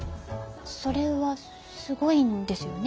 それはすごいんですよね？